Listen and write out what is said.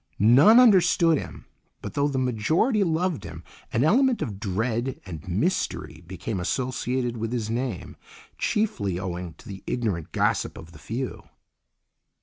None understood him, but though the majority loved him, an element of dread and mystery became associated with his name, chiefly owing to the ignorant gossip of the few.